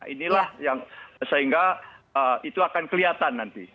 inilah yang sehingga itu akan kelihatan nanti